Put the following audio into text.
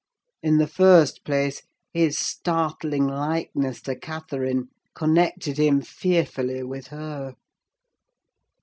In the first place, his startling likeness to Catherine connected him fearfully with her.